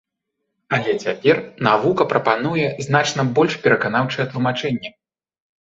Але цяпер навука прапануе значна больш пераканаўчае тлумачэнне.